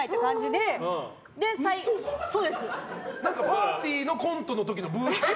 パーティーのコントのときのブーさん。